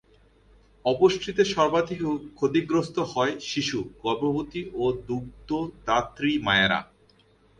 অপুষ্টিতে সর্বাধিক ক্ষতিগ্রস্ত হয় শিশু, গর্ভবতী ও দুগ্ধদাত্রী মায়েরা।